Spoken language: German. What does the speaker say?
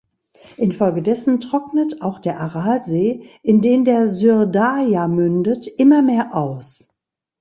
Infolgedessen trocknet auch der Aralsee, in den der Syrdarja mündet, immer mehr aus.